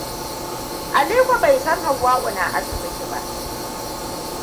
Aliko bai san Hauwa na asibiti ba.